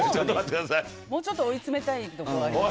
もうちょっと追いつめたいところがありますね。